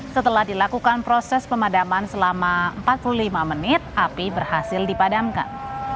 setelah dilakukan proses pemadaman selama empat puluh lima menit api berhasil dipadamkan